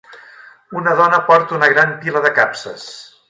Una dona porta una gran pila de capses.